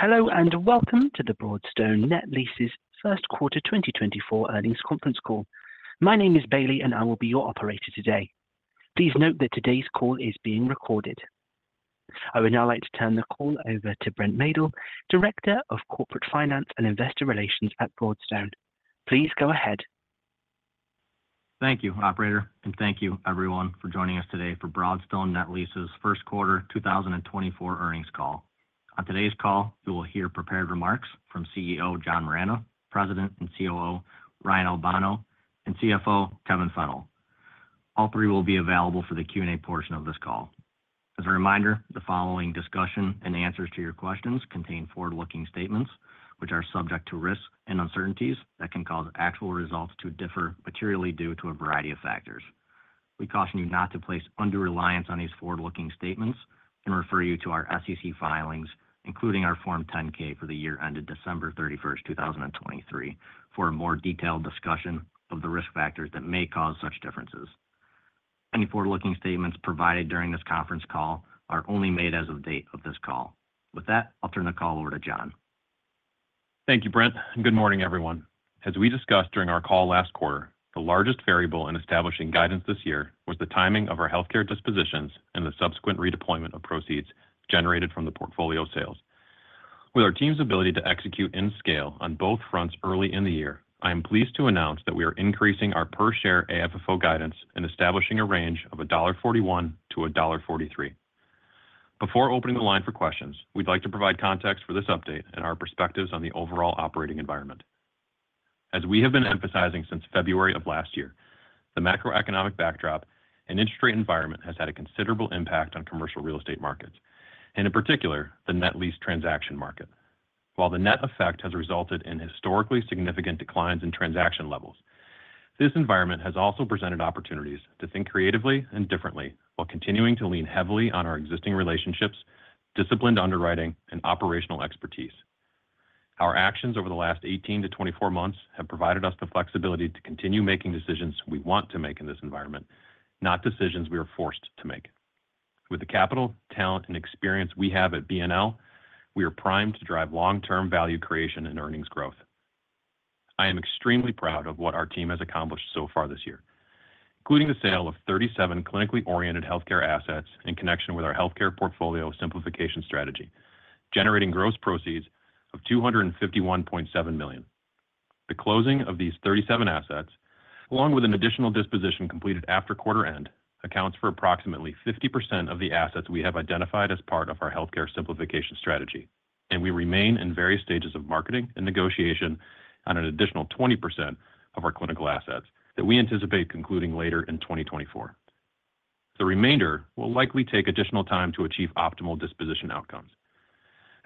Hello, and welcome to the Broadstone Net Lease's First Quarter 2024 earnings conference call. My name is Bailey, and I will be your operator today. Please note that today's call is being recorded. I would now like to turn the call over to Brent Maedl, Director of Corporate Finance and Investor Relations at Broadstone. Please go ahead. Thank you, operator, and thank you everyone for joining us today for Broadstone Net Lease's First Quarter 2024 earnings call. On today's call, you will hear prepared remarks from CEO John Moragne, President and COO Ryan Albano, and CFO Kevin Fennell. All three will be available for the Q&A portion of this call. As a reminder, the following discussion and answers to your questions contain forward-looking statements, which are subject to risks and uncertainties that can cause actual results to differ materially due to a variety of factors. We caution you not to place undue reliance on these forward-looking statements and refer you to our SEC filings, including our Form 10-K for the year ended December 31, 2023, for a more detailed discussion of the risk factors that may cause such differences. Any forward-looking statements provided during this conference call are only made as of the date of this call. With that, I'll turn the call over to John. Thank you, Brent, and good morning, everyone. As we discussed during our call last quarter, the largest variable in establishing guidance this year was the timing of our healthcare dispositions and the subsequent redeployment of proceeds generated from the portfolio sales. With our team's ability to execute and scale on both fronts early in the year, I am pleased to announce that we are increasing our per share AFFO guidance and establishing a range of $1.41-$1.43. Before opening the line for questions, we'd like to provide context for this update and our perspectives on the overall operating environment. As we have been emphasizing since February of last year, the macroeconomic backdrop and interest rate environment has had a considerable impact on commercial real estate markets, and in particular, the net lease transaction market. While the net effect has resulted in historically significant declines in transaction levels, this environment has also presented opportunities to think creatively and differently while continuing to lean heavily on our existing relationships, disciplined underwriting, and operational expertise. Our actions over the last 18-24 months have provided us the flexibility to continue making decisions we want to make in this environment, not decisions we are forced to make. With the capital, talent, and experience we have at BNL, we are primed to drive long-term value creation and earnings growth. I am extremely proud of what our team has accomplished so far this year, including the sale of 37 clinically oriented healthcare assets in connection with our healthcare portfolio simplification strategy, generating gross proceeds of $251.7 million. The closing of these 37 assets, along with an additional disposition completed after quarter end, accounts for approximately 50% of the assets we have identified as part of our healthcare simplification strategy, and we remain in various stages of marketing and negotiation on an additional 20% of our clinical assets that we anticipate concluding later in 2024. The remainder will likely take additional time to achieve optimal disposition outcomes.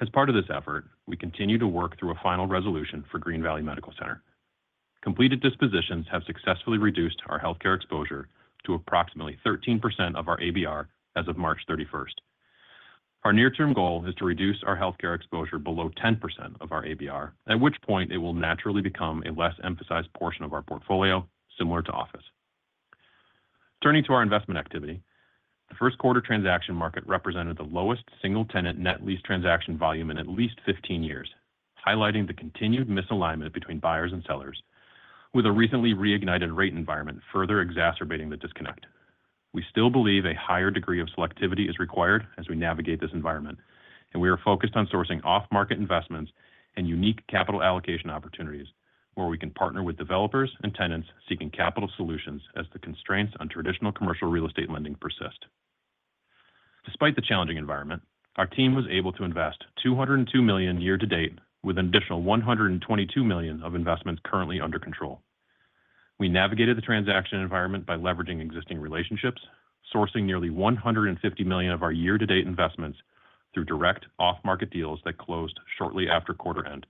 As part of this effort, we continue to work through a final resolution for Green Valley Medical Center. Completed dispositions have successfully reduced our healthcare exposure to approximately 13% of our ABR as of March 31st. Our near term goal is to reduce our healthcare exposure below 10% of our ABR, at which point it will naturally become a less emphasized portion of our portfolio, similar to office. Turning to our investment activity, the first quarter transaction market represented the lowest single-tenant net lease transaction volume in at least 15 years, highlighting the continued misalignment between buyers and sellers, with a recently reignited rate environment further exacerbating the disconnect. We still believe a higher degree of selectivity is required as we navigate this environment, and we are focused on sourcing off-market investments and unique capital allocation opportunities where we can partner with developers and tenants seeking capital solutions as the constraints on traditional commercial real estate lending persist. Despite the challenging environment, our team was able to invest $202 million year to date, with an additional $122 million of investments currently under control. We navigated the transaction environment by leveraging existing relationships, sourcing nearly $150 million of our year-to-date investments through direct off-market deals that closed shortly after quarter end,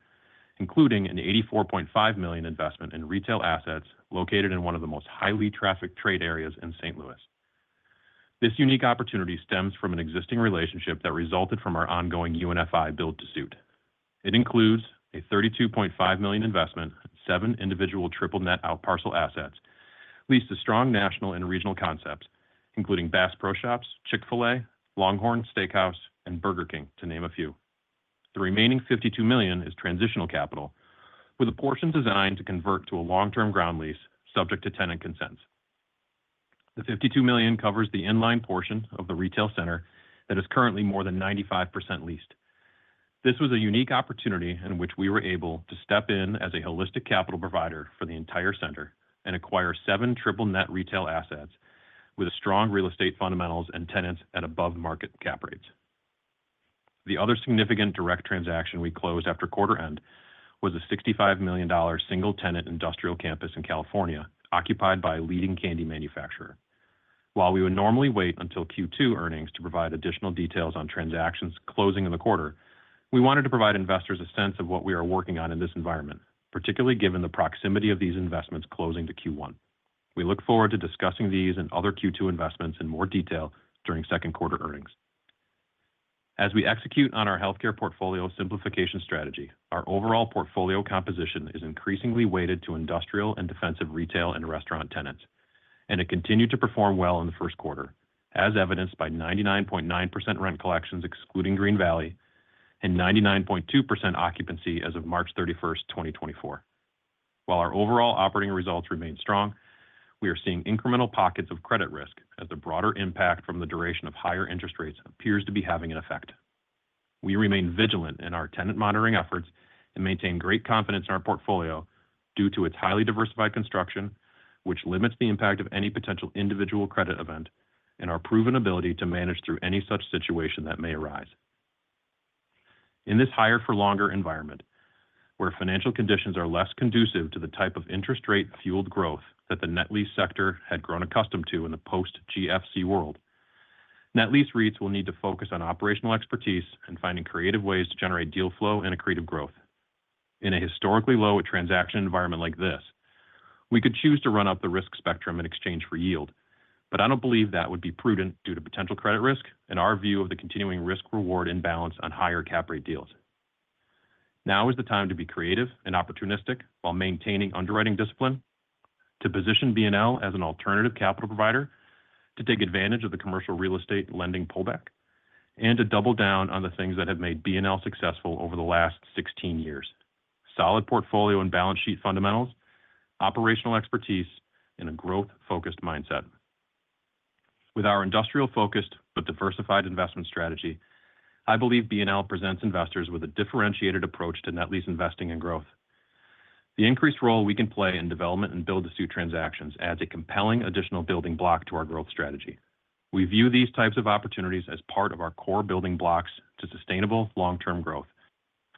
including an $84.5 million investment in retail assets located in one of the most highly trafficked trade areas in St. Louis. This unique opportunity stems from an existing relationship that resulted from our ongoing UNFI build-to-suit. It includes a $32.5 million investment, 7 individual triple-net out-parcel assets, leased to strong national and regional concepts, including Bass Pro Shops, Chick-fil-A, LongHorn Steakhouse, and Burger King, to name a few. The remaining $52 million is transitional capital, with a portion designed to convert to a long-term ground lease, subject to tenant consent. The $52 million covers the in-line portion of the retail center that is currently more than 95% leased. This was a unique opportunity in which we were able to step in as a holistic capital provider for the entire center and acquire seven triple-net retail assets with a strong real estate fundamentals and tenants at above-market cap rates. The other significant direct transaction we closed after quarter end was a $65 million single-tenant industrial campus in California, occupied by a leading candy manufacturer. While we would normally wait until Q2 earnings to provide additional details on transactions closing in the quarter, we wanted to provide investors a sense of what we are working on in this environment, particularly given the proximity of these investments closing to Q1. We look forward to discussing these and other Q2 investments in more detail during second quarter earnings. As we execute on our healthcare portfolio simplification strategy, our overall portfolio composition is increasingly weighted to industrial and defensive retail and restaurant tenants... and it continued to perform well in the first quarter, as evidenced by 99.9% rent collections, excluding Green Valley, and 99.2% occupancy as of March 31st, 2024. While our overall operating results remain strong, we are seeing incremental pockets of credit risk as the broader impact from the duration of higher interest rates appears to be having an effect. We remain vigilant in our tenant monitoring efforts and maintain great confidence in our portfolio due to its highly diversified construction, which limits the impact of any potential individual credit event and our proven ability to manage through any such situation that may arise. In this higher for longer environment, where financial conditions are less conducive to the type of interest rate-fueled growth that the net lease sector had grown accustomed to in the post-GFC world, net lease REITs will need to focus on operational expertise and finding creative ways to generate deal flow and accretive growth. In a historically low transaction environment like this, we could choose to run up the risk spectrum in exchange for yield, but I don't believe that would be prudent due to potential credit risk and our view of the continuing risk-reward imbalance on higher cap rate deals. Now is the time to be creative and opportunistic while maintaining underwriting discipline, to position BNL as an alternative capital provider, to take advantage of the commercial real estate lending pullback, and to double down on the things that have made BNL successful over the last 16 years. Solid portfolio and balance sheet fundamentals, operational expertise, and a growth-focused mindset. With our industrial-focused but diversified investment strategy, I believe BNL presents investors with a differentiated approach to net lease investing and growth. The increased role we can play in development and build-to-suit transactions adds a compelling additional building block to our growth strategy. We view these types of opportunities as part of our core building blocks to sustainable long-term growth,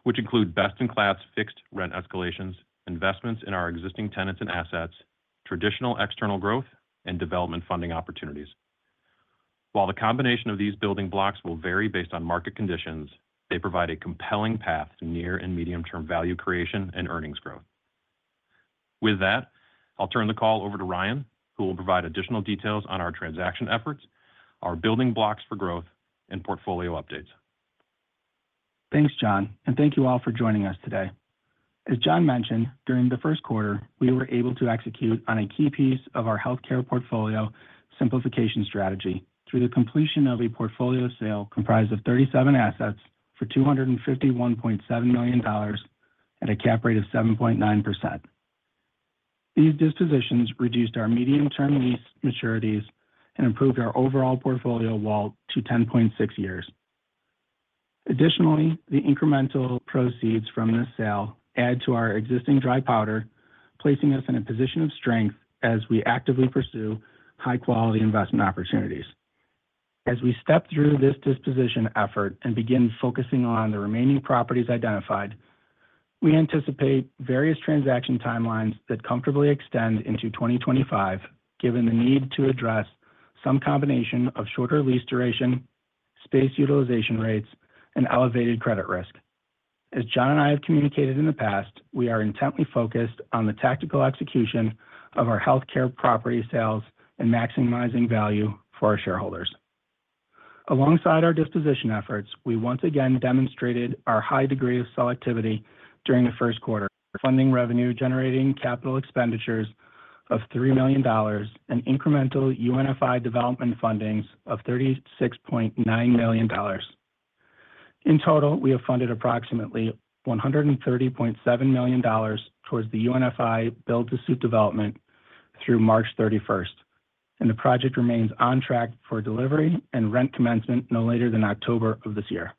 which include best-in-class fixed rent escalations, investments in our existing tenants and assets, traditional external growth, and development funding opportunities. While the combination of these building blocks will vary based on market conditions, they provide a compelling path to near and medium-term value creation and earnings growth. With that, I'll turn the call over to Ryan, who will provide additional details on our transaction efforts, our building blocks for growth, and portfolio updates. Thanks, John, and thank you all for joining us today. As John mentioned, during the first quarter, we were able to execute on a key piece of our healthcare portfolio simplification strategy through the completion of a portfolio sale comprised of 37 assets for $251.7 million at a cap rate of 7.9%. These dispositions reduced our medium-term lease maturities and improved our overall portfolio WALT to 10.6 years. Additionally, the incremental proceeds from this sale add to our existing dry powder, placing us in a position of strength as we actively pursue high-quality investment opportunities. As we step through this disposition effort and begin focusing on the remaining properties identified, we anticipate various transaction timelines that comfortably extend into 2025, given the need to address some combination of shorter lease duration, space utilization rates, and elevated credit risk. As John and I have communicated in the past, we are intently focused on the tactical execution of our healthcare property sales and maximizing value for our shareholders. Alongside our disposition efforts, we once again demonstrated our high degree of selectivity during the first quarter, funding revenue, generating capital expenditures of $3 million, and incremental UNFI development fundings of $36.9 million. In total, we have funded approximately $130.7 million towards the UNFI build-to-suit development through March 31st, and the project remains on track for delivery and rent commencement no later than October of this year.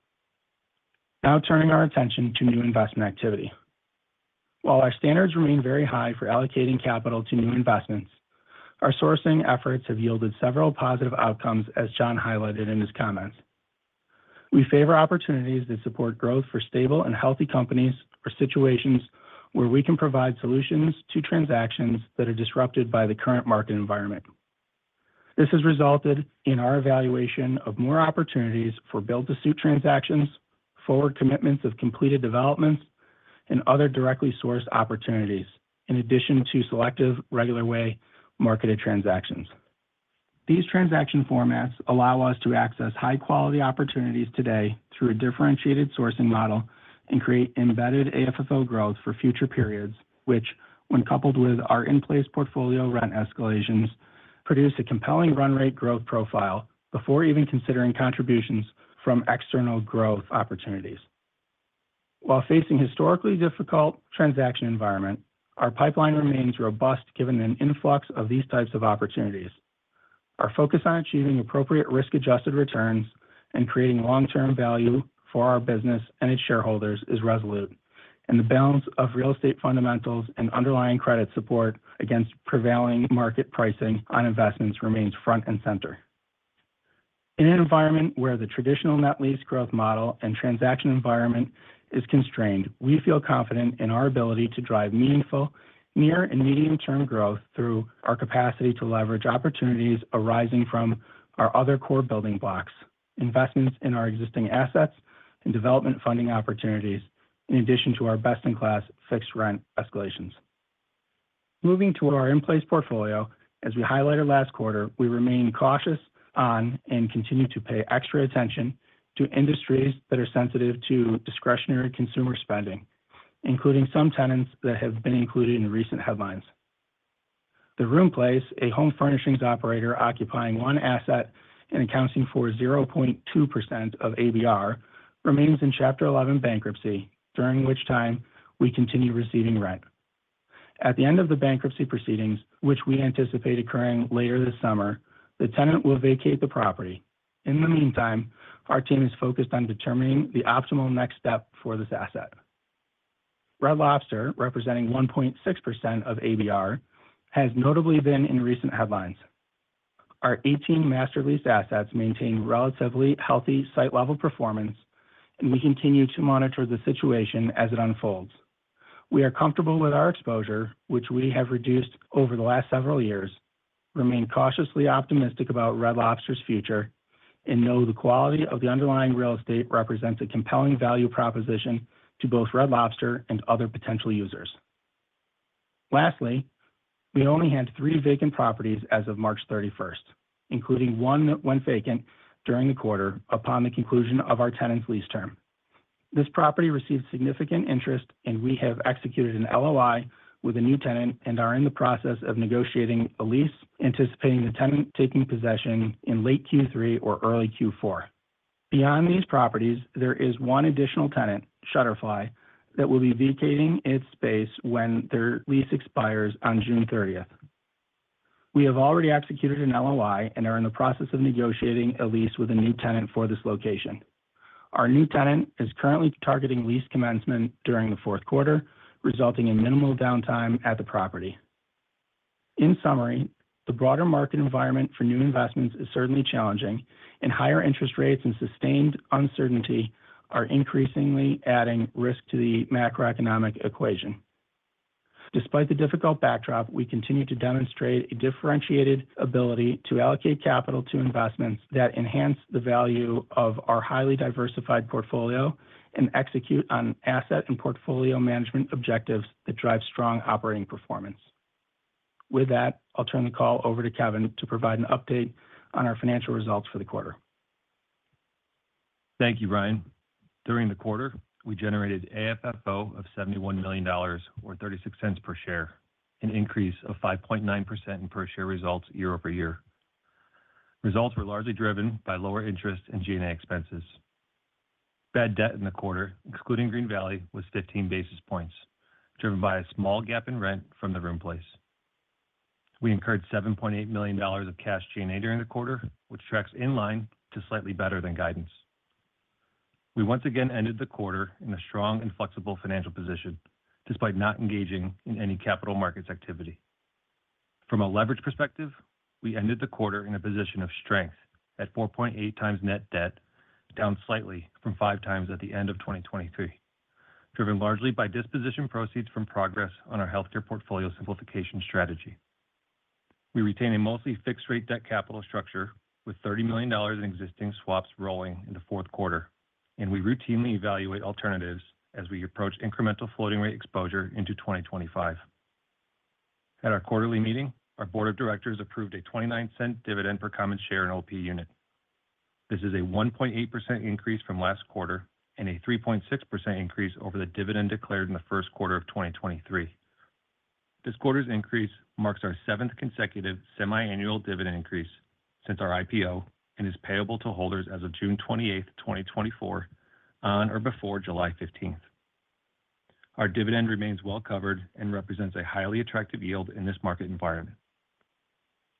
Now turning our attention to new investment activity. While our standards remain very high for allocating capital to new investments, our sourcing efforts have yielded several positive outcomes, as John highlighted in his comments. We favor opportunities that support growth for stable and healthy companies, or situations where we can provide solutions to transactions that are disrupted by the current market environment. This has resulted in our evaluation of more opportunities for build-to-suit transactions, forward commitments of completed developments, and other directly sourced opportunities, in addition to selective, regular-way marketed transactions. These transaction formats allow us to access high-quality opportunities today through a differentiated sourcing model and create embedded AFFO growth for future periods, which, when coupled with our in-place portfolio rent escalations, produce a compelling run rate growth profile before even considering contributions from external growth opportunities. While facing historically difficult transaction environment, our pipeline remains robust, given an influx of these types of opportunities. Our focus on achieving appropriate risk-adjusted returns and creating long-term value for our business and its shareholders is resolute, and the balance of real estate fundamentals and underlying credit support against prevailing market pricing on investments remains front and center. In an environment where the traditional net lease growth model and transaction environment is constrained, we feel confident in our ability to drive meaningful near and medium-term growth through our capacity to leverage opportunities arising from our other core building blocks, investments in our existing assets and development funding opportunities, in addition to our best-in-class fixed rent escalations. Moving to our in-place portfolio, as we highlighted last quarter, we remain cautious on and continue to pay extra attention to industries that are sensitive to discretionary consumer spending... including some tenants that have been included in recent headlines. The RoomPlace, a home furnishings operator occupying one asset and accounting for 0.2% of ABR, remains in Chapter 11 bankruptcy, during which time we continue receiving rent. At the end of the bankruptcy proceedings, which we anticipate occurring later this summer, the tenant will vacate the property. In the meantime, our team is focused on determining the optimal next step for this asset. Red Lobster, representing 1.6% of ABR, has notably been in recent headlines. Our 18 master lease assets maintain relatively healthy site-level performance, and we continue to monitor the situation as it unfolds. We are comfortable with our exposure, which we have reduced over the last several years, remain cautiously optimistic about Red Lobster's future, and know the quality of the underlying real estate represents a compelling value proposition to both Red Lobster and other potential users. Lastly, we only had 3 vacant properties as of March 31st, including 1 that went vacant during the quarter upon the conclusion of our tenant's lease term. This property received significant interest, and we have executed an LOI with a new tenant and are in the process of negotiating a lease, anticipating the tenant taking possession in late Q3 or early Q4. Beyond these properties, there is 1 additional tenant, Shutterfly, that will be vacating its space when their lease expires on June 30th. We have already executed an LOI and are in the process of negotiating a lease with a new tenant for this location. Our new tenant is currently targeting lease commencement during the fourth quarter, resulting in minimal downtime at the property. In summary, the broader market environment for new investments is certainly challenging, and higher interest rates and sustained uncertainty are increasingly adding risk to the macroeconomic equation. Despite the difficult backdrop, we continue to demonstrate a differentiated ability to allocate capital to investments that enhance the value of our highly diversified portfolio and execute on asset and portfolio management objectives that drive strong operating performance. With that, I'll turn the call over to Kevin to provide an update on our financial results for the quarter. Thank you, Ryan. During the quarter, we generated AFFO of $71 million, or $0.36 per share, an increase of 5.9% in per share results year-over-year. Results were largely driven by lower interest and G&A expenses. Bad debt in the quarter, excluding Green Valley, was 15 basis points, driven by a small gap in rent from The RoomPlace. We incurred $7.8 million of cash G&A during the quarter, which tracks in line to slightly better than guidance. We once again ended the quarter in a strong and flexible financial position, despite not engaging in any capital markets activity. From a leverage perspective, we ended the quarter in a position of strength at 4.8 times net debt, down slightly from 5 times at the end of 2023, driven largely by disposition proceeds from progress on our healthcare portfolio simplification strategy. We retain a mostly fixed rate debt capital structure with $30 million in existing swaps rolling in the fourth quarter, and we routinely evaluate alternatives as we approach incremental floating rate exposure into 2025. At our quarterly meeting, our board of directors approved a $0.29 dividend per common share and OP unit. This is a 1.8 increase from last quarter and a 3.6 increase over the dividend declared in the first quarter of 2023. This quarter's increase marks our seventh consecutive semiannual dividend increase since our IPO and is payable to holders as of June 28, 2024, on or before July 15. Our dividend remains well covered and represents a highly attractive yield in this market environment.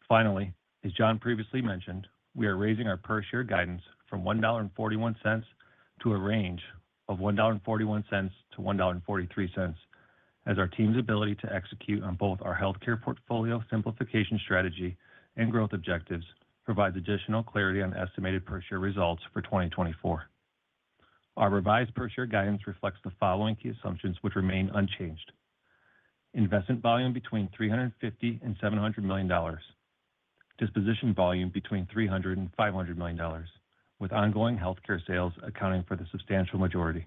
Finally, as John previously mentioned, we are raising our per share guidance from $1.41 to a range of $1.41-$1.43, as our team's ability to execute on both our healthcare portfolio simplification strategy and growth objectives provides additional clarity on estimated per share results for 2024. Our revised per share guidance reflects the following key assumptions, which remain unchanged: investment volume between $350 million and $700 million, disposition volume between $300 million and $500 million, with ongoing healthcare sales accounting for the substantial majority,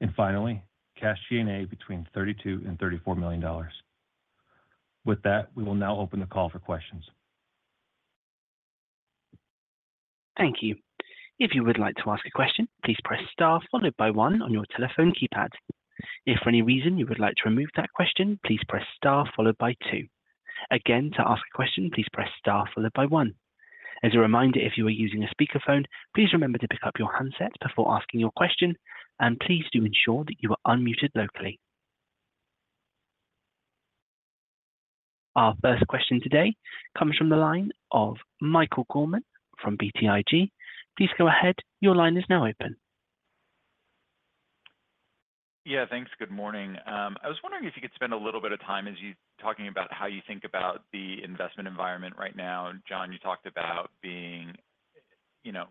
and finally, cash G&A between $32 million and $34 million. With that, we will now open the call for questions. Thank you. If you would like to ask a question, please press star followed by one on your telephone keypad. If for any reason you would like to remove that question, please press star followed by two. Again, to ask a question, please press star followed by one. As a reminder, if you are using a speakerphone, please remember to pick up your handset before asking your question, and please do ensure that you are unmuted locally. Our first question today comes from the line of Michael Gorman from BTIG. Please go ahead. Your line is now open. Yeah, thanks. Good morning. I was wondering if you could spend a little bit of time as you're talking about how you think about the investment environment right now. John, you talked about being, you know,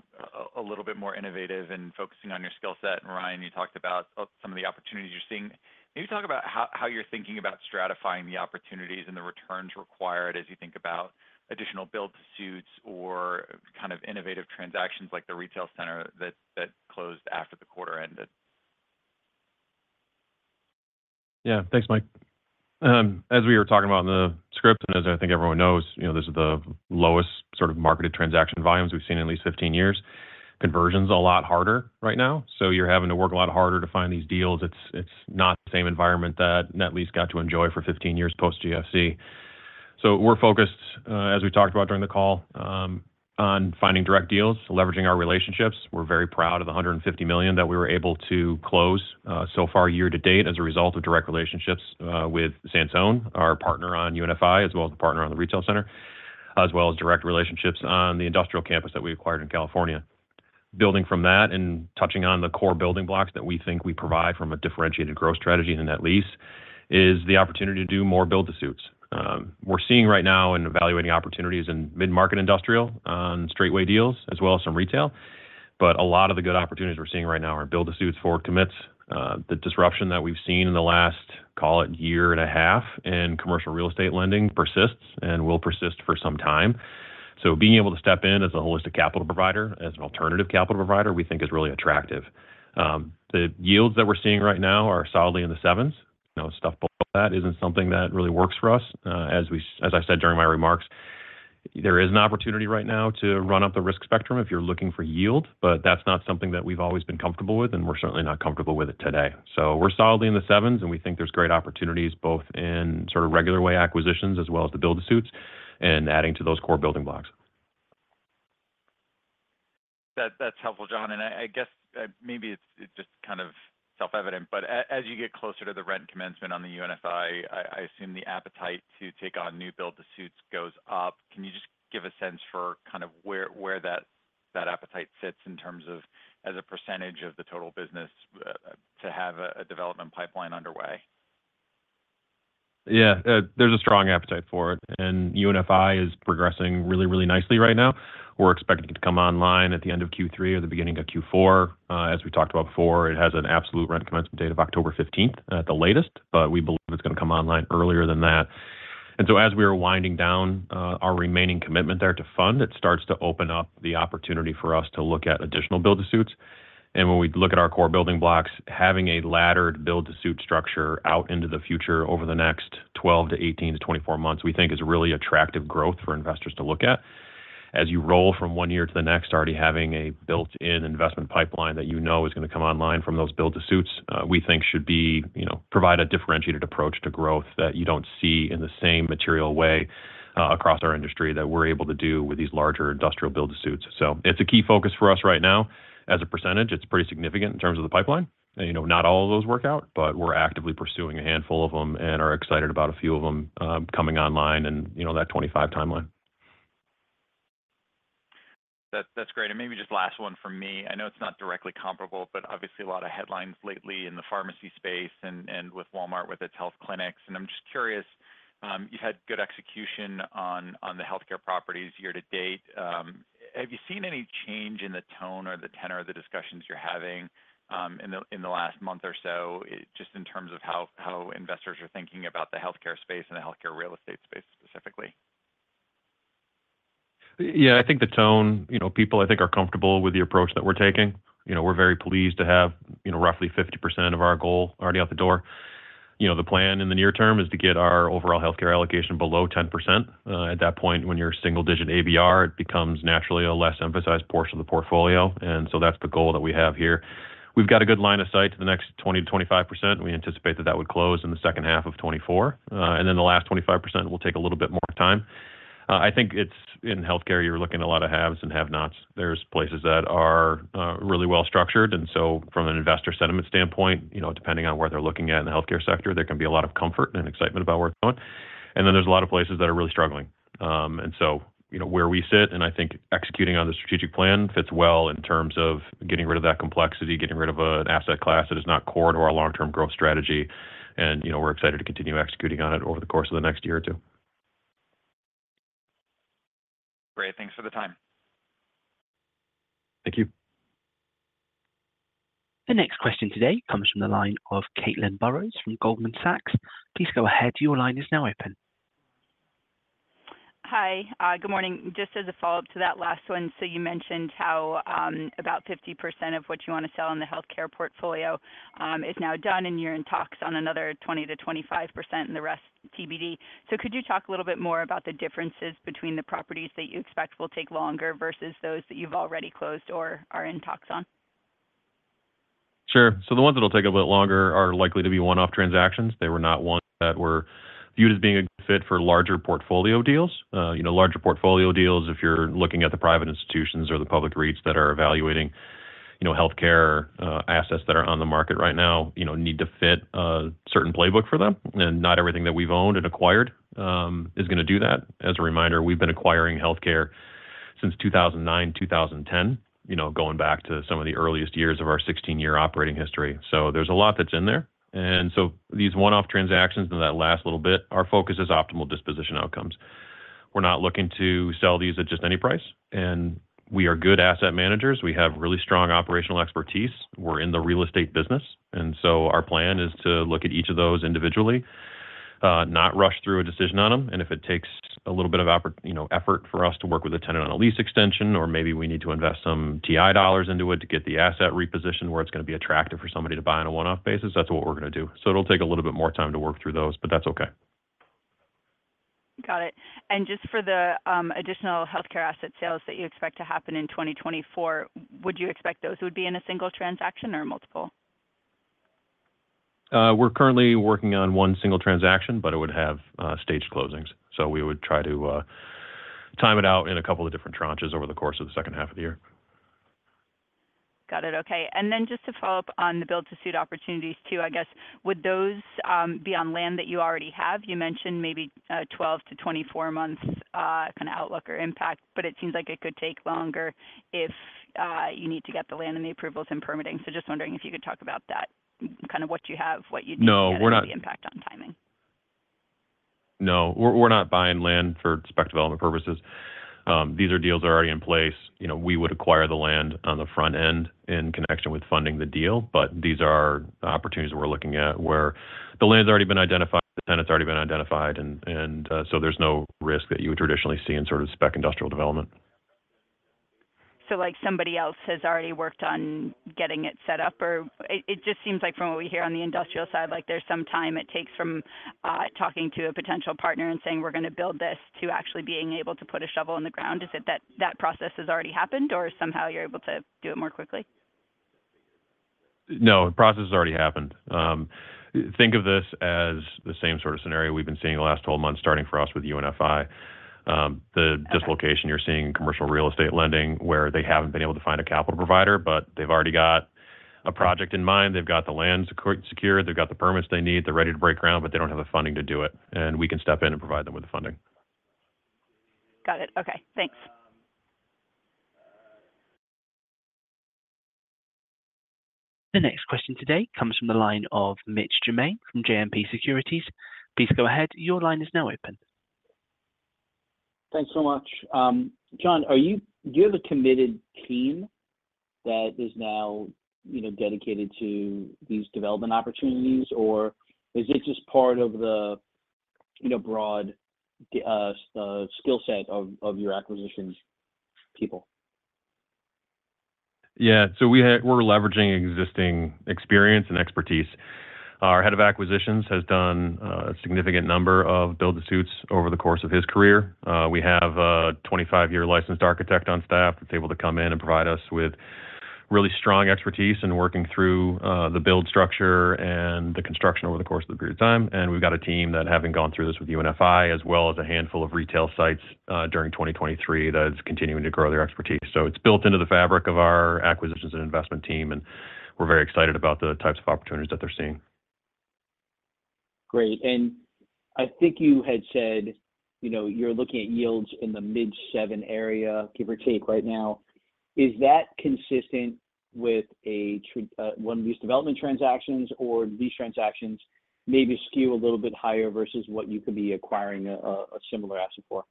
a little bit more innovative and focusing on your skill set. And Ryan, you talked about some of the opportunities you're seeing. Can you talk about how you're thinking about stratifying the opportunities and the returns required as you think about additional build suits or kind of innovative transactions like the retail center that closed after the quarter ended?... Yeah, thanks, Mike. As we were talking about in the script, and as I think everyone knows, you know, this is the lowest sort of marketed transaction volumes we've seen in at least 15 years. Conversion's a lot harder right now, so you're having to work a lot harder to find these deals. It's, it's not the same environment that Net Lease got to enjoy for 15 years post-GFC. So we're focused, as we talked about during the call, on finding direct deals, leveraging our relationships. We're very proud of the $150 million that we were able to close, so far year to date as a result of direct relationships, with Sansone, our partner on UNFI, as well as the partner on the retail center, as well as direct relationships on the industrial campus that we acquired in California. Building from that and touching on the core building blocks that we think we provide from a differentiated growth strategy in net lease is the opportunity to do more build-to-suits. We're seeing right now and evaluating opportunities in mid-market industrial on straightway deals as well as some retail, but a lot of the good opportunities we're seeing right now are build-to-suits for commits. The disruption that we've seen in the last, call it year and a half, in commercial real estate lending persists and will persist for some time. So being able to step in as a holistic capital provider, as an alternative capital provider, we think is really attractive. The yields that we're seeing right now are solidly in the sevens. You know, stuff above that isn't something that really works for us. As I said during my remarks, there is an opportunity right now to run up the risk spectrum if you're looking for yield, but that's not something that we've always been comfortable with, and we're certainly not comfortable with it today. So we're solidly in the sevens, and we think there's great opportunities both in sort of regular-way acquisitions as well as the build-to-suits and adding to those core building blocks. That, that's helpful, John. And I guess, maybe it's just kind of self-evident, but as you get closer to the rent commencement on the UNFI, I assume the appetite to take on new build-to-suits goes up. Can you just give a sense for kind of where that appetite sits in terms of as a percentage of the total business to have a development pipeline underway? Yeah, there's a strong appetite for it, and UNFI is progressing really, really nicely right now. We're expecting it to come online at the end of Q3 or the beginning of Q4. As we talked about before, it has an absolute rent commencement date of October 15th at the latest, but we believe it's gonna come online earlier than that. And so as we are winding down our remaining commitment there to fund, it starts to open up the opportunity for us to look at additional build-to-suits. And when we look at our core building blocks, having a laddered build-to-suit structure out into the future over the next 12 to 18 to 24 months, we think is a really attractive growth for investors to look at. As you roll from one year to the next, already having a built-in investment pipeline that you know is gonna come online from those build-to-suits, we think should be... you know, provide a differentiated approach to growth that you don't see in the same material way, across our industry that we're able to do with these larger industrial build-to-suits. So it's a key focus for us right now. As a percentage, it's pretty significant in terms of the pipeline. And, you know, not all of those work out, but we're actively pursuing a handful of them and are excited about a few of them, coming online and, you know, that 25 timeline. That's great. And maybe just last one from me. I know it's not directly comparable, but obviously a lot of headlines lately in the pharmacy space and with Walmart with its health clinics. And I'm just curious, you had good execution on the healthcare properties year to date. Have you seen any change in the tone or the tenor of the discussions you're having in the last month or so, just in terms of how investors are thinking about the healthcare space and the healthcare real estate space specifically? Yeah, I think the tone... You know, people, I think, are comfortable with the approach that we're taking. You know, we're very pleased to have, you know, roughly 50% of our goal already out the door. You know, the plan in the near term is to get our overall healthcare allocation below 10%. At that point, when you're a single-digit ABR, it becomes naturally a less emphasized portion of the portfolio, and so that's the goal that we have here. We've got a good line of sight to the next 20%-25%. We anticipate that that would close in the second half of 2024, and then the last 25% will take a little bit more time. I think it's in healthcare, you're looking at a lot of haves and have-nots. There are places that are really well structured, and so from an investor sentiment standpoint, you know, depending on where they're looking at in the healthcare sector, there can be a lot of comfort and excitement about working on. And then there's a lot of places that are really struggling. And so, you know, where we sit, and I think executing on the strategic plan fits well in terms of getting rid of that complexity, getting rid of an asset class that is not core to our long-term growth strategy. And, you know, we're excited to continue executing on it over the course of the next year or two. Great. Thanks for the time. Thank you. The next question today comes from the line of Caitlin Burrows from Goldman Sachs. Please go ahead. Your line is now open. Hi. Good morning. Just as a follow-up to that last one, so you mentioned how about 50% of what you want to sell in the healthcare portfolio is now done, and you're in talks on another 20%-25%, and the rest TBD. So could you talk a little bit more about the differences between the properties that you expect will take longer versus those that you've already closed or are in talks on? Sure. So the ones that will take a bit longer are likely to be one-off transactions. They were not ones that were viewed as being a good fit for larger portfolio deals. You know, larger portfolio deals, if you're looking at the private institutions or the public REITs that are evaluating, you know, healthcare assets that are on the market right now, you know, need to fit a certain playbook for them, and not everything that we've owned and acquired is gonna do that. As a reminder, we've been acquiring healthcare since 2009, 2010, you know, going back to some of the earliest years of our 16-year operating history. So there's a lot that's in there. And so these one-off transactions in that last little bit, our focus is optimal disposition outcomes. We're not looking to sell these at just any price, and we are good asset managers. We have really strong operational expertise. We're in the real estate business, and so our plan is to look at each of those individually, not rush through a decision on them. And if it takes a little bit of opportunity, you know, effort for us to work with a tenant on a lease extension, or maybe we need to invest some TI dollars into it to get the asset repositioned, where it's gonna be attractive for somebody to buy on a one-off basis, that's what we're gonna do. So it'll take a little bit more time to work through those, but that's okay. Got it. And just for the additional healthcare asset sales that you expect to happen in 2024, would you expect those would be in a single transaction or multiple? We're currently working on one single transaction, but it would have staged closings. So we would try to time it out in a couple of different tranches over the course of the second half of the year. Got it. Okay. Then just to follow up on the build-to-suit opportunities, too, I guess, would those be on land that you already have? You mentioned maybe 12-24 months kind of outlook or impact, but it seems like it could take longer if you need to get the land and the approvals and permitting. So just wondering if you could talk about that, kind of what you have, what you need- No, we're not- and the impact on timing. No. We're not buying land for spec development purposes. These are deals that are already in place. You know, we would acquire the land on the front end in connection with funding the deal, but these are opportunities we're looking at where the land's already been identified, the tenant's already been identified, and so there's no risk that you would traditionally see in sort of spec industrial development. So, like, somebody else has already worked on getting it set up, or... It just seems like from what we hear on the industrial side, like, there's some time it takes from talking to a potential partner and saying, "We're gonna build this," to actually being able to put a shovel in the ground. Is it that that process has already happened, or somehow you're able to do it more quickly? No, the process has already happened. Think of this as the same sort of scenario we've been seeing the last 12 months, starting for us with UNFI. Okay... dislocation you're seeing in commercial real estate lending, where they haven't been able to find a capital provider, but they've already got a project in mind. They've got the land secured, they've got the permits they need, they're ready to break ground, but they don't have the funding to do it, and we can step in and provide them with the funding. Got it. Okay, thanks. The next question today comes from the line of Mitch Germain from JMP Securities. Please go ahead. Your line is now open. Thanks so much. John, do you have a committed team that is now, you know, dedicated to these development opportunities, or is this just part of the, you know, broad skill set of your acquisitions people? Yeah, so we have, we're leveraging existing experience and expertise. Our head of acquisitions has done a significant number of build-to-suits over the course of his career. We have a 25-year licensed architect on staff that's able to come in and provide us with really strong expertise in working through the build structure and the construction over the course of the period of time. And we've got a team that, having gone through this with UNFI, as well as a handful of retail sites, during 2023, that is continuing to grow their expertise. So it's built into the fabric of our acquisitions and investment team, and we're very excited about the types of opportunities that they're seeing. Great. I think you had said, you know, you're looking at yields in the mid-7 area, give or take, right now. Is that consistent with one of these development transactions, or these transactions maybe skew a little bit higher versus what you could be acquiring a similar asset for?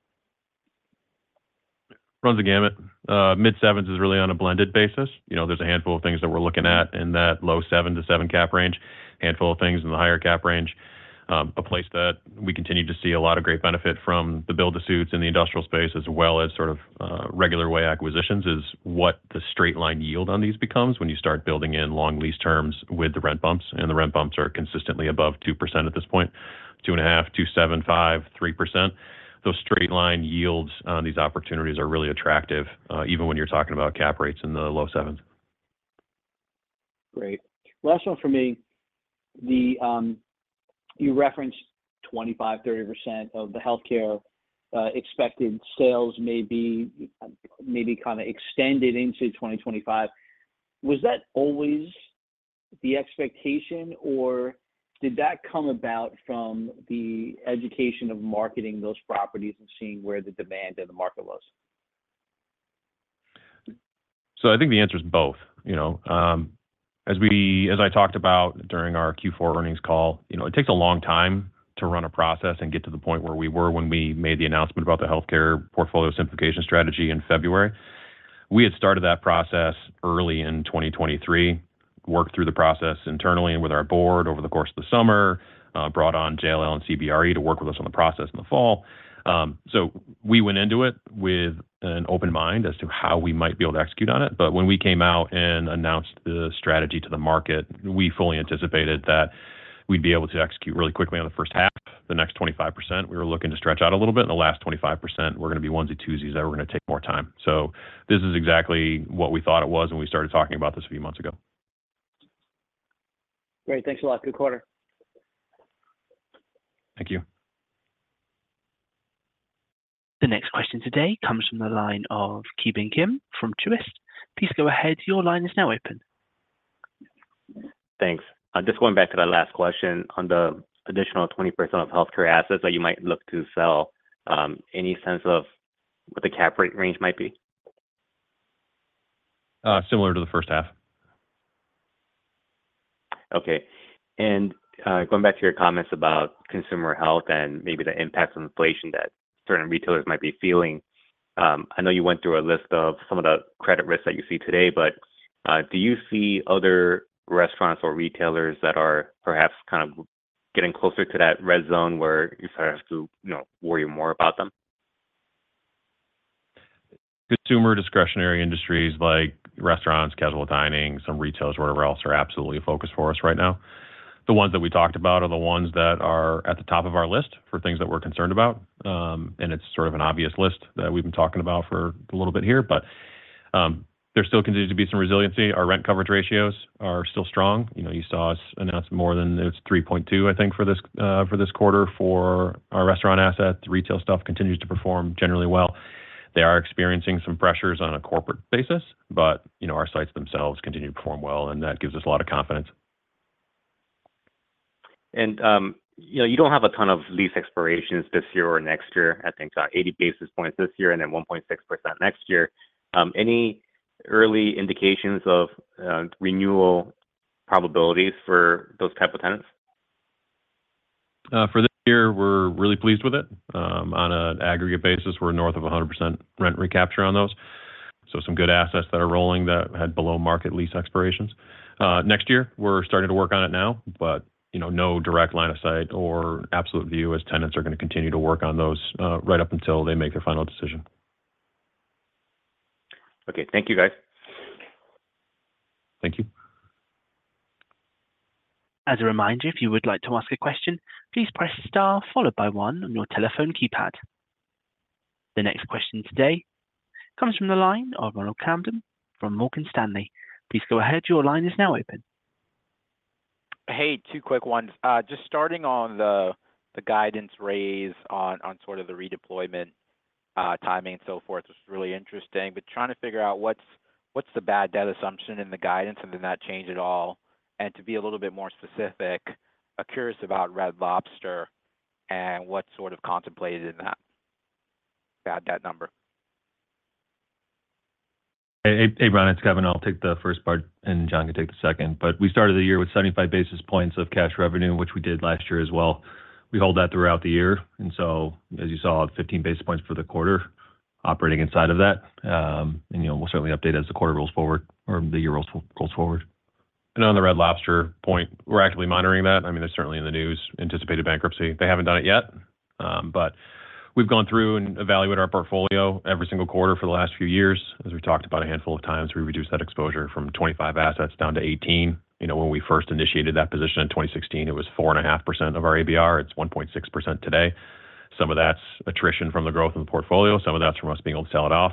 Runs the gamut. Mid-7s is really on a blended basis. You know, there's a handful of things that we're looking at in that low-7 to 7 cap range, handful of things in the higher cap range. A place that we continue to see a lot of great benefit from the build-to-suits in the industrial space, as well as sort of, regular-way acquisitions, is what the straight-line yield on these becomes when you start building in long lease terms with the rent bumps, and the rent bumps are consistently above 2% at this point, 2.5, 2.75, 3%. Those straight-line yields on these opportunities are really attractive, even when you're talking about cap rates in the low-7s. Great. Last one for me: You referenced 25-30% of the healthcare expected sales may be kind of extended into 2025. Was that always the expectation, or did that come about from the education of marketing those properties and seeing where the demand in the market was? So I think the answer is both. You know, as I talked about during our Q4 earnings call, you know, it takes a long time to run a process and get to the point where we were when we made the announcement about the healthcare portfolio simplification strategy in February. We had started that process early in 2023, worked through the process internally and with our board over the course of the summer, brought on JLL and CBRE to work with us on the process in the fall. So we went into it with an open mind as to how we might be able to execute on it, but when we came out and announced the strategy to the market, we fully anticipated that we'd be able to execute really quickly on the first half. The next 25%, we were looking to stretch out a little bit, and the last 25% were gonna be onesie-twosies, that were gonna take more time. So this is exactly what we thought it was when we started talking about this a few months ago. Great. Thanks a lot. Good quarter. Thank you. The next question today comes from the line of Ki Bin Kim from Truist. Please go ahead. Your line is now open. Thanks. Just going back to that last question on the additional 20% of healthcare assets that you might look to sell, any sense of what the cap rate range might be? Similar to the first half. Okay. And, going back to your comments about consumer health and maybe the impacts of inflation that certain retailers might be feeling, I know you went through a list of some of the credit risks that you see today, but- Do you see other restaurants or retailers that are perhaps kind of getting closer to that red zone where you start to, you know, worry more about them? Consumer discretionary industries like restaurants, casual dining, some retailers, whatever else, are absolutely a focus for us right now. The ones that we talked about are the ones that are at the top of our list for things that we're concerned about. It's sort of an obvious list that we've been talking about for a little bit here, but, there still continues to be some resiliency. Our rent coverage ratios are still strong. You know, you saw us announce more than 3.2, I think, for this, for this quarter for our restaurant assets. Retail stuff continues to perform generally well. They are experiencing some pressures on a corporate basis, but, you know, our sites themselves continue to perform well, and that gives us a lot of confidence. You know, you don't have a ton of lease expirations this year or next year. I think about 80 basis points this year and then 1.6% next year. Any early indications of renewal probabilities for those type of tenants? For this year, we're really pleased with it. On an aggregate basis, we're north of 100% rent recapture on those. So some good assets that are rolling that had below-market lease expirations. Next year, we're starting to work on it now, but, you know, no direct line of sight or absolute view as tenants are going to continue to work on those right up until they make their final decision. Okay. Thank you, guys. Thank you. As a reminder, if you would like to ask a question, please press star followed by one on your telephone keypad. The next question today comes from the line of Ronald Kamden from Morgan Stanley. Please go ahead. Your line is now open. Hey, two quick ones. Just starting on the, the guidance raise on, on sort of the redeployment, timing and so forth, was really interesting. But trying to figure out what's, what's the bad debt assumption in the guidance, and did that change at all? To be a little bit more specific, I'm curious about Red Lobster and what sort of contemplated in that bad debt number. Hey, hey, Ron, it's Kevin. I'll take the first part, and John can take the second. But we started the year with 75 basis points of cash revenue, which we did last year as well. We hold that throughout the year, and so as you saw, 15 basis points for the quarter operating inside of that. And, you know, we'll certainly update as the quarter rolls forward or the year rolls forward. And on the Red Lobster point, we're actively monitoring that. I mean, they're certainly in the news, anticipated bankruptcy. They haven't done it yet, but we've gone through and evaluated our portfolio every single quarter for the last few years. As we've talked about a handful of times, we reduced that exposure from 25 assets down to 18. You know, when we first initiated that position in 2016, it was 4.5% of our ABR. It's 1.6% today. Some of that's attrition from the growth in the portfolio, some of that's from us being able to sell it off.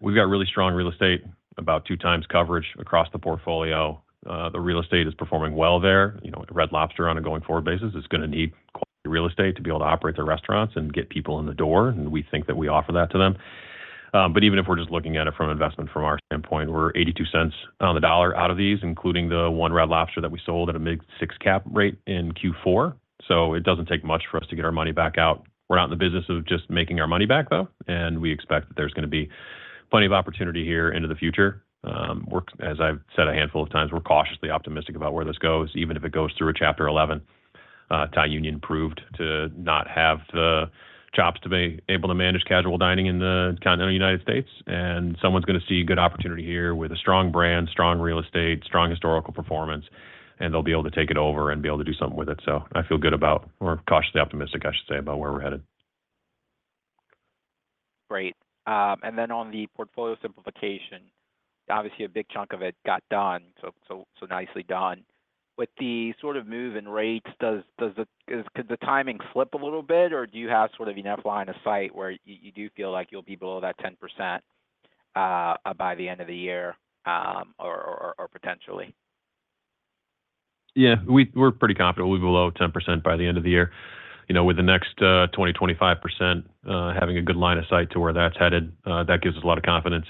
We've got really strong real estate, about 2x coverage across the portfolio. The real estate is performing well there. You know, with the Red Lobster on a going-forward basis, it's gonna need quality real estate to be able to operate their restaurants and get people in the door, and we think that we offer that to them. But even if we're just looking at it from an investment from our standpoint, we're $0.82 on the dollar out of these, including the one Red Lobster that we sold at a mid-6% cap rate in Q4. So it doesn't take much for us to get our money back out. We're not in the business of just making our money back, though, and we expect that there's gonna be plenty of opportunity here into the future. As I've said a handful of times, we're cautiously optimistic about where this goes, even if it goes through a Chapter 11. Thai Union proved to not have the chops to be able to manage casual dining in the continental United States, and someone's gonna see a good opportunity here with a strong brand, strong real estate, strong historical performance, and they'll be able to take it over and be able to do something with it. So I feel good about, or cautiously optimistic, I should say, about where we're headed. Great. And then on the portfolio simplification, obviously a big chunk of it got done, so nicely done. With the sort of move in rates, does the timing slip a little bit, or do you have sort of enough line of sight where you do feel like you'll be below that 10%, by the end of the year, or potentially? Yeah, we're pretty confident we'll be below 10% by the end of the year. You know, with the next twenty to twenty-five percent having a good line of sight to where that's headed, that gives us a lot of confidence.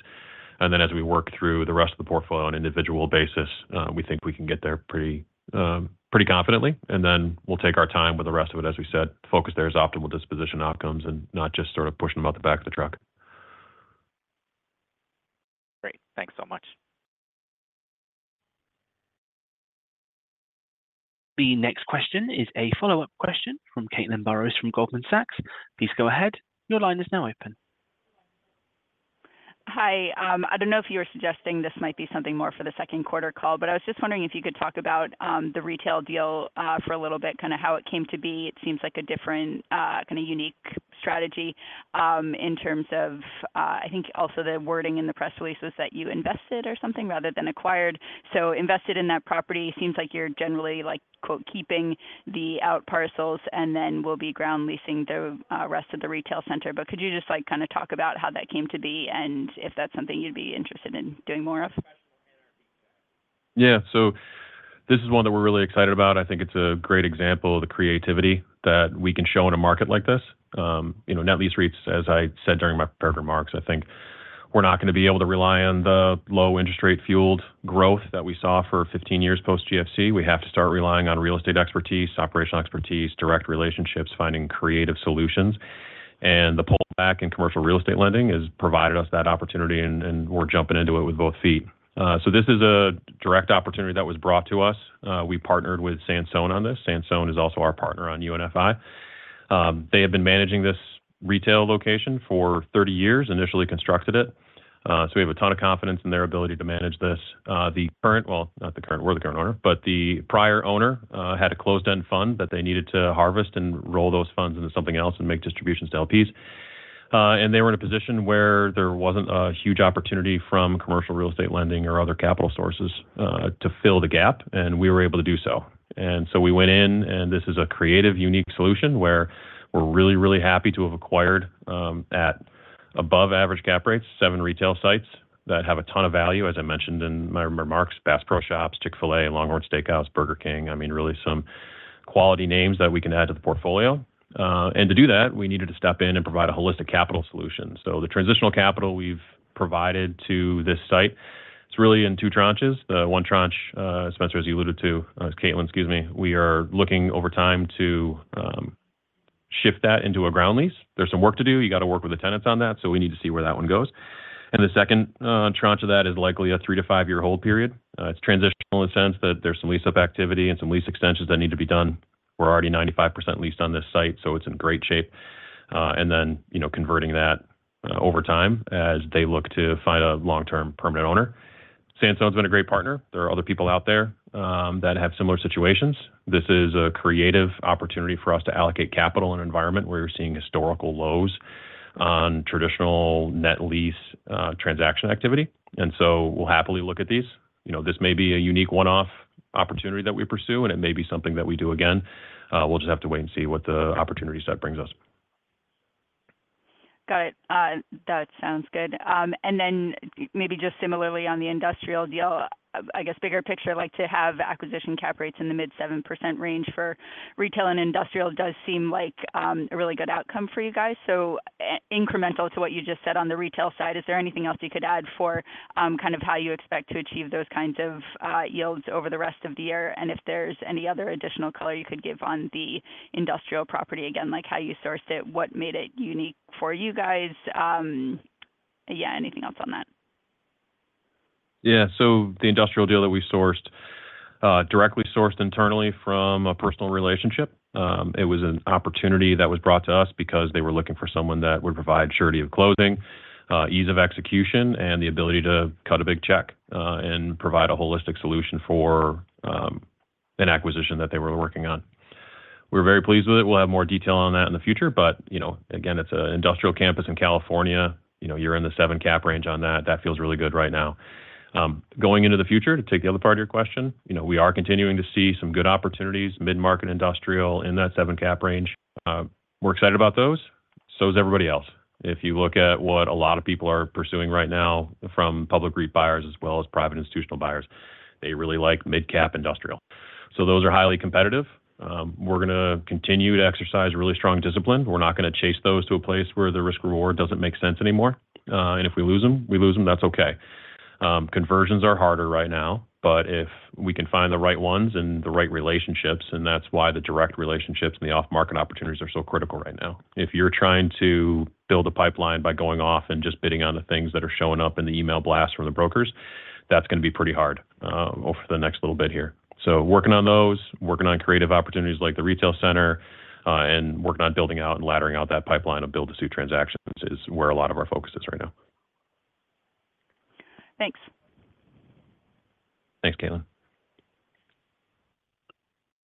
And then as we work through the rest of the portfolio on individual basis, we think we can get there pretty pretty confidently, and then we'll take our time with the rest of it. As we said, focus there is optimal disposition outcomes and not just sort of pushing them out the back of the truck. Great. Thanks so much. The next question is a follow-up question from Caitlin Burrows from Goldman Sachs. Please go ahead. Your line is now open. Hi. I don't know if you were suggesting this might be something more for the second quarter call, but I was just wondering if you could talk about the retail deal for a little bit, kind of how it came to be. It seems like a different kind of unique strategy in terms of... I think also the wording in the press release was that you invested or something rather than acquired. So invested in that property, seems like you're generally, like, quote, "keeping the out-parcels," and then will be ground leasing the rest of the retail center. But could you just, like, kind of talk about how that came to be and if that's something you'd be interested in doing more of? Yeah. So this is one that we're really excited about. I think it's a great example of the creativity that we can show in a market like this. You know, net lease REITs, as I said during my prepared remarks, I think we're not gonna be able to rely on the low interest rate fueled growth that we saw for 15 years post-GFC. We have to start relying on real estate expertise, operational expertise, direct relationships, finding creative solutions. And the pullback in commercial real estate lending has provided us that opportunity, and we're jumping into it with both feet. So this is a direct opportunity that was brought to us. We partnered with Sansone on this. Sansone is also our partner on UNFI. They have been managing this retail location for 30 years, initially constructed it. So we have a ton of confidence in their ability to manage this. The current, well, not the current, we're the current owner, but the prior owner had a closed-end fund that they needed to harvest and roll those funds into something else and make distributions to LPs. And they were in a position where there wasn't a huge opportunity from commercial real estate lending or other capital sources to fill the gap, and we were able to do so. And so we went in, and this is a creative, unique solution, where we're really, really happy to have acquired at above average cap rates, seven retail sites that have a ton of value, as I mentioned in my remarks, Bass Pro Shops, Chick-fil-A, LongHorn Steakhouse, Burger King. I mean, really some quality names that we can add to the portfolio. And to do that, we needed to step in and provide a holistic capital solution. So the transitional capital we've provided to this site, it's really in two tranches. The one tranche, Spenser, as you alluded to, Caitlin, excuse me, we are looking over time to shift that into a ground lease. There's some work to do. You got to work with the tenants on that, so we need to see where that one goes. And the second tranche of that is likely a 3- to 5-year hold period. It's transitional in the sense that there's some lease-up activity and some lease extensions that need to be done. We're already 95% leased on this site, so it's in great shape, and then, you know, converting that over time as they look to find a long-term permanent owner. Sansone's been a great partner. There are other people out there, that have similar situations. This is a creative opportunity for us to allocate capital in an environment where we're seeing historical lows on traditional net lease, transaction activity. And so we'll happily look at these. You know, this may be a unique one-off opportunity that we pursue, and it may be something that we do again. We'll just have to wait and see what the opportunity set brings us. Got it. That sounds good. And then maybe just similarly on the industrial deal, I guess bigger picture, like to have acquisition cap rates in the mid-7% range for retail and industrial does seem like a really good outcome for you guys. So incremental to what you just said on the retail side, is there anything else you could add for kind of how you expect to achieve those kinds of yields over the rest of the year? And if there's any other additional color you could give on the industrial property, again, like how you sourced it, what made it unique for you guys? Yeah, anything else on that? Yeah. So the industrial deal that we sourced, directly sourced internally from a personal relationship. It was an opportunity that was brought to us because they were looking for someone that would provide surety of closing, ease of execution, and the ability to cut a big check, and provide a holistic solution for, an acquisition that they were working on. We're very pleased with it. We'll have more detail on that in the future, but, you know, again, it's an industrial campus in California. You know, you're in the 7 cap range on that. That feels really good right now. Going into the future, to take the other part of your question, you know, we are continuing to see some good opportunities, mid-market industrial in that 7 cap range. We're excited about those. So is everybody else. If you look at what a lot of people are pursuing right now, from public REIT buyers as well as private institutional buyers, they really like mid-cap industrial. So those are highly competitive. We're gonna continue to exercise really strong discipline. We're not gonna chase those to a place where the risk reward doesn't make sense anymore. If we lose them, we lose them, that's okay. Conversions are harder right now, but if we can find the right ones and the right relationships, and that's why the direct relationships and the off-market opportunities are so critical right now. If you're trying to build a pipeline by going off and just bidding on the things that are showing up in the email blast from the brokers, that's gonna be pretty hard over the next little bit here. So working on those, working on creative opportunities like the retail center, and working on building out and laddering out that pipeline of build-to-suit transactions is where a lot of our focus is right now. Thanks. Thanks, Caitlin.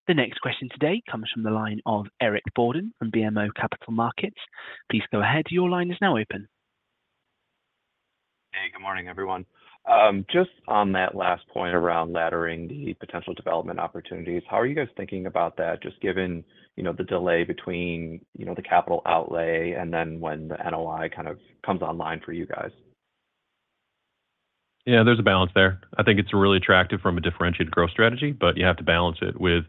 The next question today comes from the line of Eric Borden from BMO Capital Markets. Please go ahead. Your line is now open. Hey, good morning, everyone. Just on that last point around laddering the potential development opportunities, how are you guys thinking about that, just given, you know, the delay between, you know, the capital outlay and then when the NOI kind of comes online for you guys? Yeah, there's a balance there. I think it's really attractive from a differentiated growth strategy, but you have to balance it with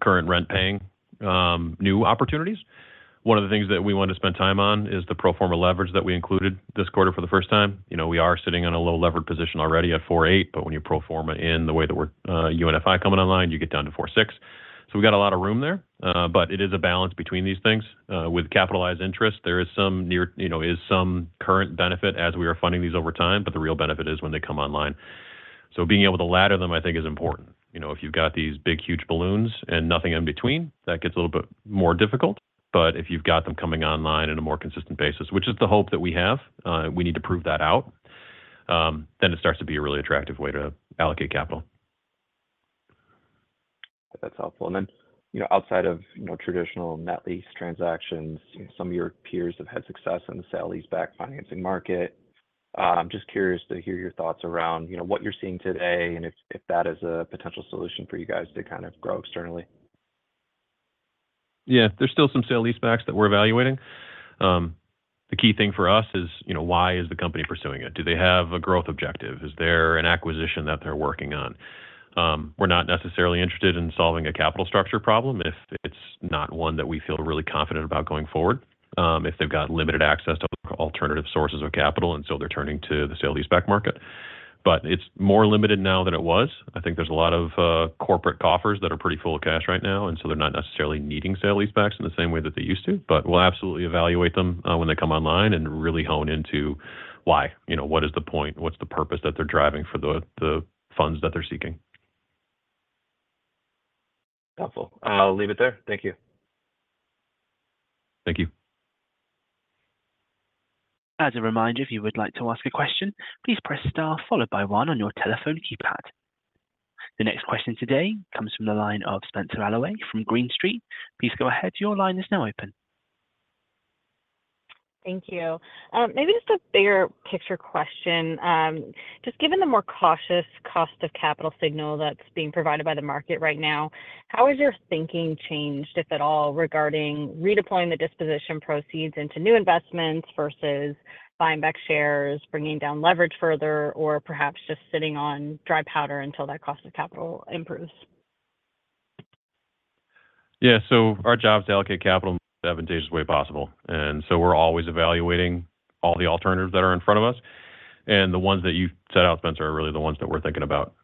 current rent paying new opportunities. One of the things that we want to spend time on is the pro forma leverage that we included this quarter for the first time. You know, we are sitting on a low-levered position already at 4.8, but when you pro forma in the way that we're UNFI coming online, you get down to 4.6. So we got a lot of room there, but it is a balance between these things. With capitalized interest, there is some current benefit as we are funding these over time, but the real benefit is when they come online. So being able to ladder them, I think, is important. You know, if you've got these big, huge balloons and nothing in between, that gets a little bit more difficult. But if you've got them coming online in a more consistent basis, which is the hope that we have, we need to prove that out, then it starts to be a really attractive way to allocate capital. That's helpful. And then, you know, outside of, you know, traditional net lease transactions, some of your peers have had success in the sale leaseback financing market. I'm just curious to hear your thoughts around, you know, what you're seeing today, and if, if that is a potential solution for you guys to kind of grow externally. Yeah, there's still some sale leasebacks that we're evaluating. The key thing for us is, you know, why is the company pursuing it? Do they have a growth objective? Is there an acquisition that they're working on? We're not necessarily interested in solving a capital structure problem if it's not one that we feel really confident about going forward, if they've got limited access to alternative sources of capital, and so they're turning to the sale leaseback market. But it's more limited now than it was. I think there's a lot of corporate coffers that are pretty full of cash right now, and so they're not necessarily needing sale leasebacks in the same way that they used to, but we'll absolutely evaluate them when they come online and really hone into why. You know, what is the point? What's the purpose that they're driving for the funds that they're seeking? ... Helpful. I'll leave it there. Thank you. Thank you. As a reminder, if you would like to ask a question, please press star, followed by one on your telephone keypad. The next question today comes from the line of Spenser Allaway from Green Street. Please go ahead. Your line is now open. Thank you. Maybe just a bigger picture question. Just given the more cautious cost of capital signal that's being provided by the market right now, how has your thinking changed, if at all, regarding redeploying the disposition proceeds into new investments versus buying back shares, bringing down leverage further, or perhaps just sitting on dry powder until that cost of capital improves? Yeah, so our job is to allocate capital in the most advantageous way possible, and so we're always evaluating all the alternatives that are in front of us. The ones that you set out, Spenser, are really the ones that we're thinking about.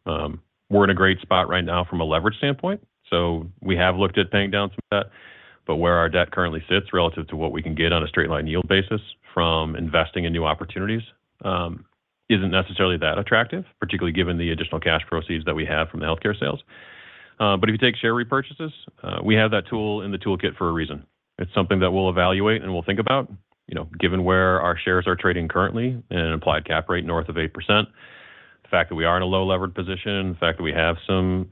We're in a great spot right now from a leverage standpoint, so we have looked at paying down some debt, but where our debt currently sits relative to what we can get on a straight-line yield basis from investing in new opportunities, isn't necessarily that attractive, particularly given the additional cash proceeds that we have from the healthcare sales. But if you take share repurchases, we have that tool in the toolkit for a reason. It's something that we'll evaluate, and we'll think about, you know, given where our shares are trading currently and an implied cap rate north of 8%. The fact that we are in a low-levered position, the fact that we have some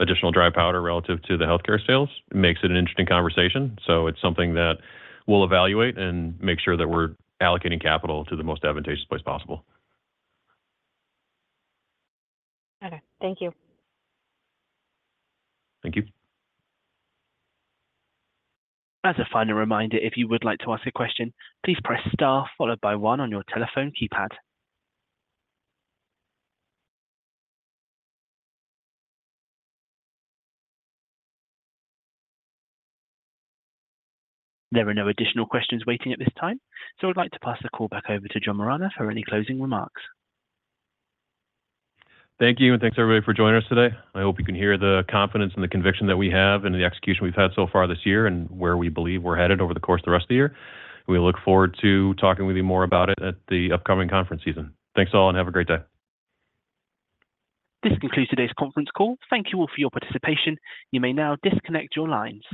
additional dry powder relative to the healthcare sales, makes it an interesting conversation. It's something that we'll evaluate and make sure that we're allocating capital to the most advantageous place possible. Okay. Thank you. Thank you. As a final reminder, if you would like to ask a question, please press star, followed by one on your telephone keypad. There are no additional questions waiting at this time, so I'd like to pass the call back over to John Moragne for any closing remarks. Thank you, and thanks, everybody, for joining us today. I hope you can hear the confidence and the conviction that we have and the execution we've had so far this year and where we believe we're headed over the course of the rest of the year. We look forward to talking with you more about it at the upcoming conference season. Thanks, all, and have a great day. This concludes today's conference call. Thank you all for your participation. You may now disconnect your lines.